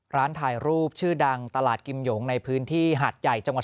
ร้านถ่ายรูปชื่อดังตลาดกิมหยงในพื้นที่หาดใหญ่จังหวัด